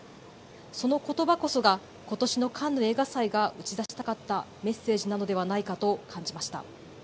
そのことばこそがことしのカンヌ映画祭が打ち出したかったメッセージなのではないかと感じました。